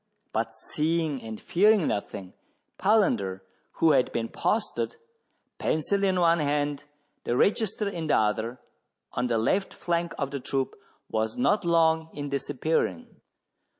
But seeing and fearing nothing, Palander, who had been posted, pencil in one hand, the register in the other, on the left flank of the troop, was not long in disappearing.